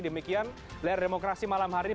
demikian layar demokrasi malam hari ini